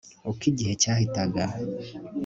Uko igihe cyahitaga